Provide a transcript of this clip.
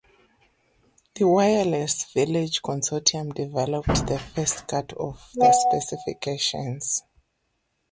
The Wireless Village consortium developed the first cut of the specifications.